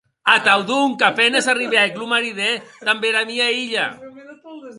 Atau, donc, a penes arribèc lo maridè damb era mia hilha.